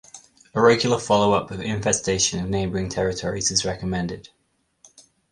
A regular follow-up of infestation of neighboring territories is recommended.